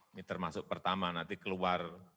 ini termasuk pertama nanti keluar